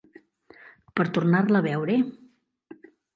Per tornar-la a veure?